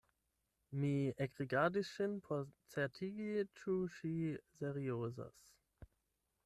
Mi ekrigardis ŝin por certigi ĉu ŝi seriozas.